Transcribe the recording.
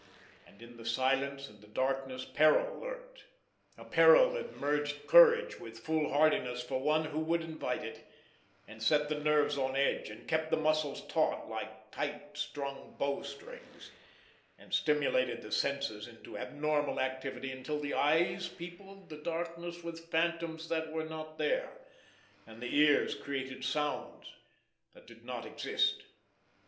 And in the silence and the darkness peril lurked—a peril that merged courage into foolhardiness for one who would invite it, and set the nerves on edge, and kept the muscles taut like tight strung bow strings, and stimulated the senses into abnormal activity until the eyes peopled the darkness with phantoms that were not there, and the ears created sounds that did not exist.